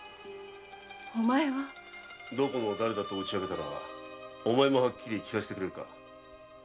お前は？どこのだれと打ち明けたらお前もはっきりきかせてくれるか？